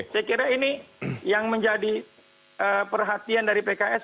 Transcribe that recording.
saya kira ini yang menjadi perhatian dari pks